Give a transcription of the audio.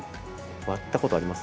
割ったことあります？